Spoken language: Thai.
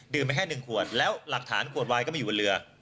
ไปแค่๑ขวดแล้วหลักฐานขวดวายก็ไม่อยู่บนเรือ